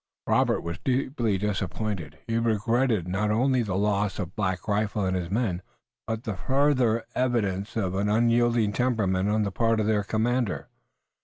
Robert was deeply disappointed. He regretted not only the loss of Black Rifle and his men, but the further evidence of an unyielding temperament on the part of their commander.